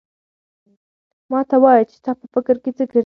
ما ته وایه چې ستا په فکر کې څه ګرځي؟